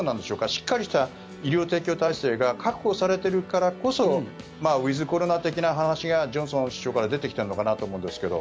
しっかりした医療提供体制が確保されてるからこそウィズコロナ的な話がジョンソン首相から出てきてるのかなと思うんですけど。